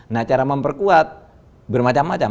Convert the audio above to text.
nah cara memperkuat bermacam macam